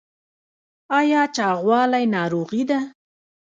ایا چاغوالی ناروغي ده؟